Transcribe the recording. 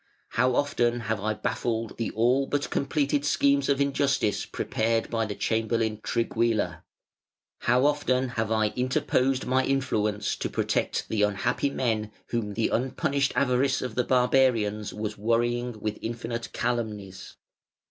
How often have I baffled the all but completed schemes of injustice prepared by the chamberlain Trigguilla! How often have I interposed my influence to protect the unhappy men whom the unpunished avarice of the barbarians was worrying with infinite calumnies!